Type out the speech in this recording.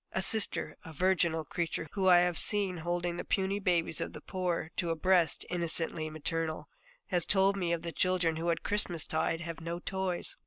A Sister, a virginal creature whom I have seen holding the puny babies of the poor to a breast innocently maternal, has told me of the children who at Christmastide have no toys.